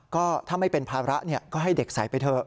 ก็ถ้าไม่เป็นภาระก็ให้เด็กใส่ไปเถอะ